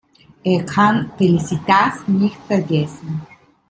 Er kann Felicitas nicht vergessen.